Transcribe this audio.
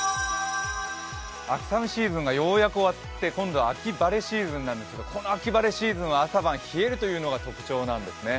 秋雨シーズンがようやく終わってこれからは秋晴れシーズンなんですがこの秋晴れシーズンは、朝晩冷えるというのが特徴なんですね。